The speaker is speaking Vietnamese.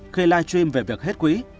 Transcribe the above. khi livestream về việc hết quỹ